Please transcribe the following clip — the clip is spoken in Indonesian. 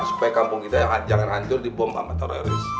supaya kampung kita yang anjar anjar dibom sama teroris